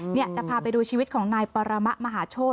เนี่ยจะพาไปดูชีวิตของนายปรมะมหาโชธ